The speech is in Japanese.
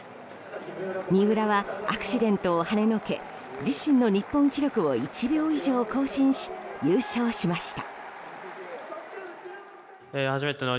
三浦はアクシデントをはねのけ自身の日本記録を１秒以上更新し優勝しました。